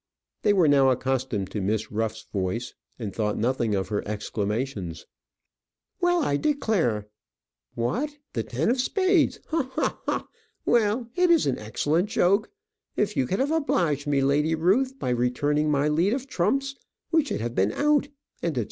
They were now accustomed to Miss Ruff's voice, and thought nothing of her exclamations. "Well, I declare what, the ten of spades! ha! ha! ha! well, it is an excellent joke if you could have obliged me, Lady Ruth, by returning my lead of trumps, we should have been out," &c., &c.